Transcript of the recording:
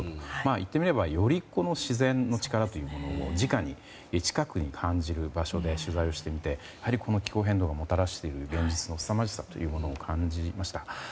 言ってみれば、より自然の力というものをじかに、近くで感じる場所で取材をしてみて気候変動がもたらしている現実のすさまじさを感じました。